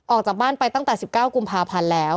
ออกจากบ้านไปตั้งแต่๑๙กุมภาพันธ์แล้ว